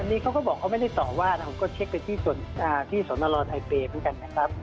อันนี้เขาก็บอกเขาไม่ได้ต่อว่านะผมก็เช็คไปที่สนรไทเปย์เหมือนกันนะครับ